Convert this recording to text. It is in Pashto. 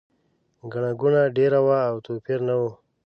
ګڼه ګوڼه ډېره وه او توپیر نه و.